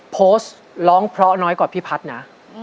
โพสต์ร้องเพราะน้อยกว่าพี่พัฒน์นะ